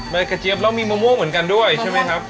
กระเจี๊ยบแล้วมีมะม่วงเหมือนกันด้วยใช่ไหมครับ